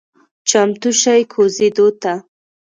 چمتو شئ کوزیدو ته…